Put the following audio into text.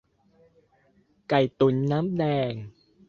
ไก่ตุ๋นน้ำแดง